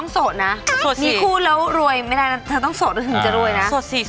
สดและจะรวยค่ะ